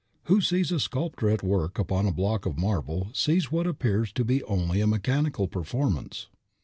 Who sees a sculptor at work upon a block of marble sees what appears to be only a mechanical performance.